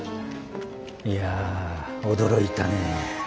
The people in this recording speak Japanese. いや驚いたね。